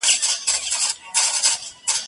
پر نورو نبيانو باندي رسول الله فضيلت لري.